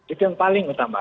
itu yang paling utama